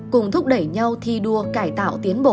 cùng thúc đẩy nhau thi đua cải tạo tiến bộ